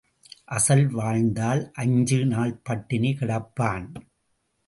அசல் வாழ்ந்தால் அஞ்சு நாள் பட்டினி கிடப்பான்.